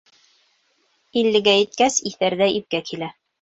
Иллегә еткәс иҫәр ҙә ипкә килә.